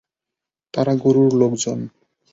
তারা গুরুর লোকজন।